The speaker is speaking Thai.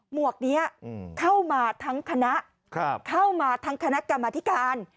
หวกนี้เข้ามาทั้งคณะเข้ามาทั้งคณะกรรมธิการ